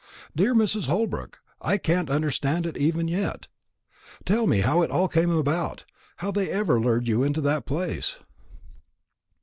"Dear Mrs. Holbrook, I can't understand it even yet. Tell me how it all came about how they ever lured you into that place."